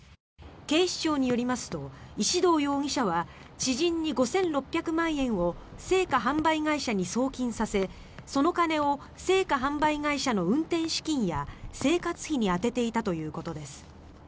警視庁によりますと石動容疑者は知人に５６００万円を生花販売会社に送金させその金を生花販売会社の運転資金や生活費に充てていたということです。